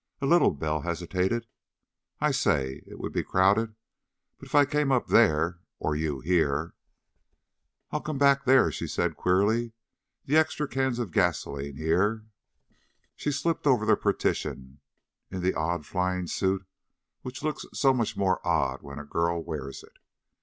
"A little." Bell hesitated. "I say, it would be crowded, but if I came up there, or you here...." "I I'll come back there," she said queerly. "The extra cans of gasoline here...." She slipped over the partition, in the odd flying suit which looks so much more odd when a girl wears it.